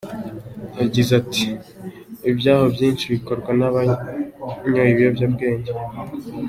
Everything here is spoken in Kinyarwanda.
Yagize ati :"Ibyaha byinshi bikorwa n’abanyoye ibiyobyabwege.